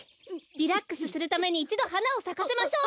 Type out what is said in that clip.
リラックスするためにいちどはなをさかせましょう。